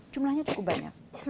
jumlahnya cukup banyak